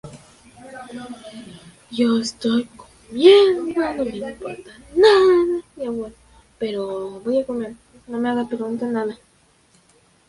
Va fijo a la mesa de trabajo y es fácil de utilizar.